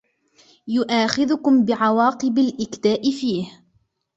يُؤَاخِذْهُمْ بِعَوَاقِبِ الْإِكْدَاءِ فِيهِ